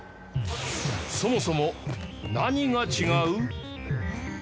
そもそも何が違う？